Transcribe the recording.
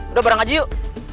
udah bareng aja yuk